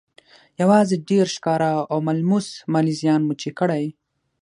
يوازې ډېر ښکاره او ملموس مالي زيان مو چې کړی